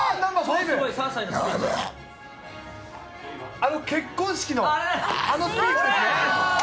あの結婚式の、あのスピーチです